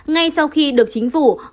ngay sau khi được chính phủ